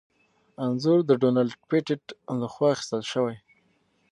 انځور د ډونلډ پېټټ لخوا اخیستل شوی.